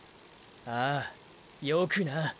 ああよくな。